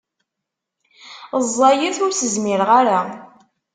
Ẓẓayet ur s-zmireɣ ara.